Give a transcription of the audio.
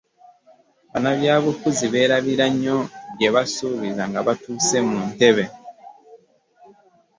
Bannabyabufuzi beerabira nnyo bye baaasuubiza nga batuusebmu ntebe.